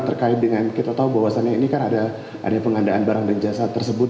terkait dengan kita tahu bahwasannya ini kan ada pengandaan barang dan jasa tersebut